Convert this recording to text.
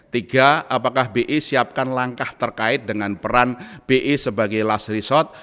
tiga apakah bi siapkan langkah terkait dengan peran bi sebagai last resort